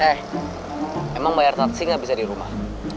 eh emang bayar taxi ga bisa di rumah